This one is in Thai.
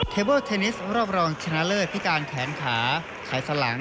เทเบิลเทนนิสรอบรองชนะเลิศพิการแขนขาไขสลัง